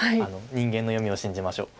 人間の読みを信じましょう。